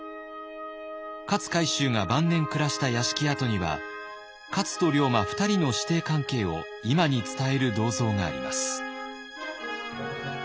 勝海舟が晩年暮らした屋敷跡には勝と龍馬２人の師弟関係を今に伝える銅像があります。